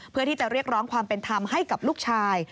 เพื่อที่จะเรียกร้องความเป็นธรรมให้กับลูกชาย